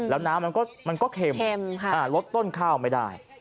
แล้วน้ำมันก็เค็มลดต้นข้าวไม่ได้